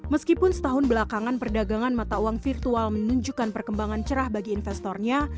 meskipun setahun belakangan perdagangan mata uang virtual menunjukkan perkembangan cerah bagi investornya